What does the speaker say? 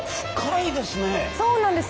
そうなんです。